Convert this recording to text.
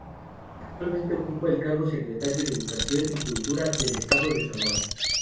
Actualmente ocupa el cargo Secretario de Educación y Cultura del estado de Sonora.